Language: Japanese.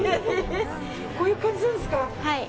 こういう感じなんですか。